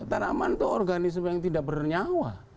tanaman itu organisme yang tidak bernyawa